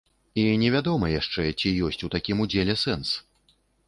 І невядома яшчэ, ці ёсць у такім удзеле сэнс?